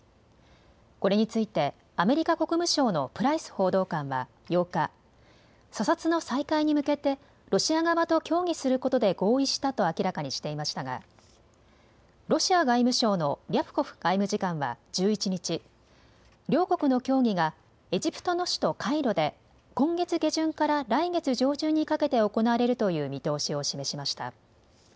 これについてアメリカ国務省のプライス報道官は８日、査察の再開に向けてロシア側と協議することで合意したと明らかにしていましたが、ロシア外務省外務省のリャプコフ外務次官は１１日、両国の協議がエジプトの首都カイロで今月下旬から来月上旬にかけて行われるという見通しを示しました。